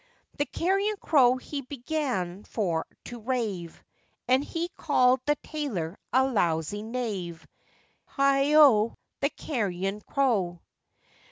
The carrion crow he began for to rave, And he called the tailor a lousy knave! Heigho! the carrion crow.